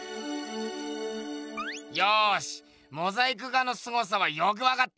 よしモザイク画のすごさはよく分かった。